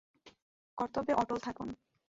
কর্তব্যে অটল থাকুন।